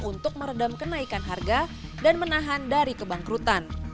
untuk meredam kenaikan harga dan menahan dari kebangkrutan